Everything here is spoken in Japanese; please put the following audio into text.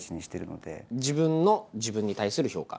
自分の自分に対する評価。